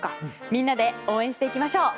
みんなで応援していきましょう。